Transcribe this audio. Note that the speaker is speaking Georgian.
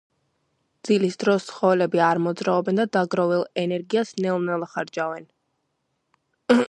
ძილის დროს ცხოველები არ მოძრაობენ და დაგროვილ ენერგიას ნელ-ნელა ხარჯავენ